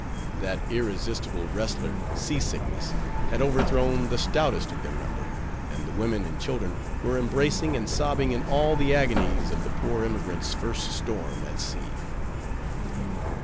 That irresistible wrestler, sea sickness, had overthrown the stoutest of their number, and the women and children were embracing and sobbing in all the agonies of the poor emigrant's first storm at sea.